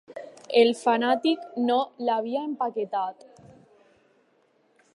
El fanàtic no l'havia empaquetat.